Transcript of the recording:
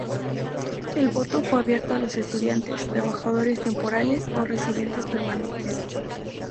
El voto fue abierto a los estudiantes, trabajadores temporales o residentes permanentes.